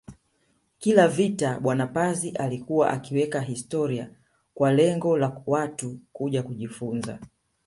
Kila vita bwana Pazi alikuwa akiweka historia kwa lengo la Watu kuja kujifunza